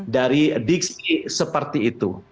dari dixie seperti itu